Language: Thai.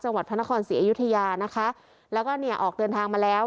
พระนครศรีอยุธยานะคะแล้วก็เนี่ยออกเดินทางมาแล้ว